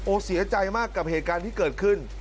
เสียใจมากกับเหตุการณ์ที่เกิดขึ้น